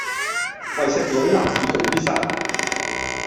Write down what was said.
為食女立志做醫生